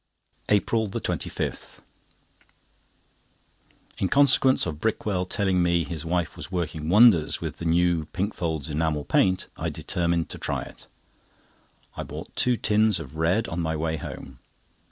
APRIL 25.—In consequence of Brickwell telling me his wife was working wonders with the new Pinkford's enamel paint, I determined to try it. I bought two tins of red on my way home.